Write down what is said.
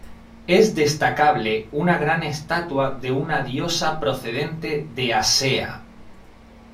Es destacable una gran estatua de una diosa procedente de Asea.